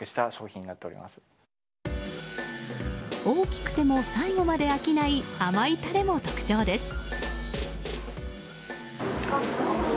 大きくても最後まで飽きない甘いタレも特徴です。